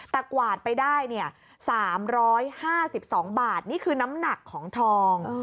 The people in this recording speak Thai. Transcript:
แต่กวาดไปได้๓๕๒บาทนี่คือน้ำหนักของทอง